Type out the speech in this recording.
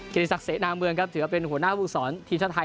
ศักเสนาเมืองครับถือว่าเป็นหัวหน้าผู้สอนทีมชาติไทย